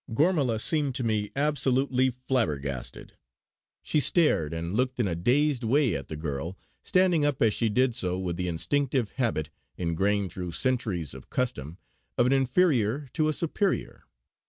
Gormala seemed to me absolutely flabbergasted. She stared, and looked in a dazed way, at the girl, standing up as she did so with the instinctive habit, ingrained through centuries of custom, of an inferior to a superior.